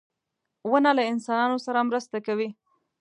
• ونه له انسانانو سره مرسته کوي.